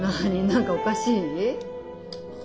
何かおかしい？